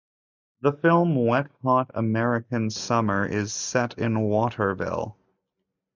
The film "Wet Hot American Summer" is set in Waterville.